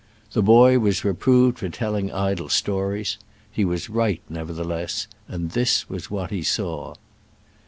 The boy was reproved for telling idle stories : he was right, nevertheless, and this was what he saw.